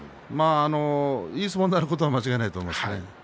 いい相撲になることは間違いないと思いますね。